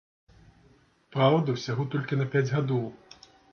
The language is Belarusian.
Праўда, усяго толькі на пяць гадоў.